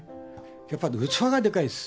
やっぱり器がでかいです。